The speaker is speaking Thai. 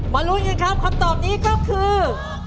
มารู้จังครับคำตอบนี้ครับคือ